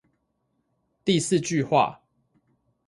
第四句話